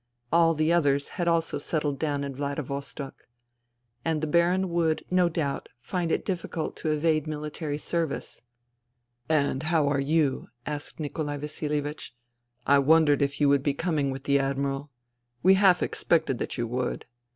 All the others had also settled down in Vladivostok. And the Baron would, no doubt, find it difficult to evade mihtary service. "And how are you?" asked Nikolai Vasilievich. " I wondered if you would be coming with the Admiral. We half expected that you would.